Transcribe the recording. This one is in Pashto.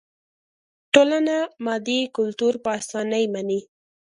ټولنه مادي کلتور په اسانۍ مني.